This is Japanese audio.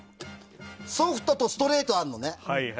ソフトとストレートあるのね。